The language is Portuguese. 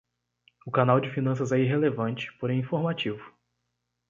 O canal de finanças é irrelevante, porém informativo